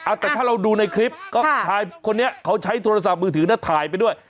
เอาแต่ถ้าเราดูในคลิปก็ชายคนนี้เขาใช้โทรศัพท์มือถือนะถ่ายไปด้วย